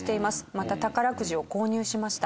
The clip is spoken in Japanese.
また宝くじを購入しました。